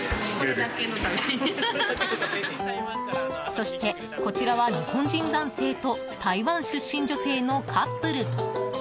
そして、こちらは日本人男性と台湾出身女性のカップル。